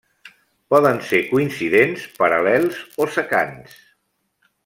Poden ser coincidents, paral·lels o secants.